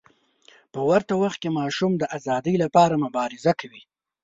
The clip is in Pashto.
په ورته وخت کې ماشوم د ازادۍ لپاره مبارزه کوي.